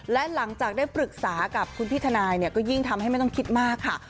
และหลังจากได้ปรึกษากับคุณพี่ทนายเนี่ยก็ยิ่งทำให้ไม่ต้องคิดมากค่ะ